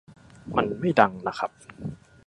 มันไม่ดังน่ะครับ